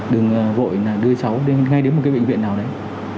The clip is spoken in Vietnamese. đừng vội đưa cháu ngay đến một cái bệnh viện nào đấy